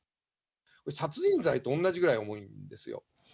殺人罪と同じぐらい重いんですよ。